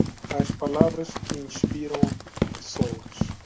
Palavras que inspiram pessoas